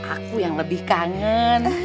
aku yang lebih kangen